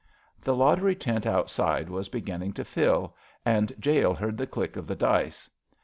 The lottery tent outside was beginning to fill, and Jale heard the click of the dice.